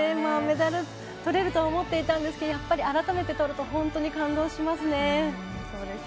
メダルをとれるとは思っていたんですけど改めてとると本当に感動しますね。